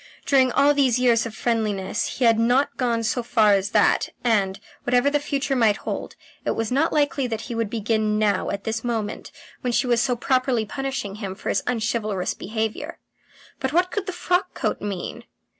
During all these years of friendliness he had not got so far as that, and, whatever the future might hold, it was not likely that he would begin now at this moment when she was so properly punishing him for his unchivalrous behaviour. But what could the frock coat mean?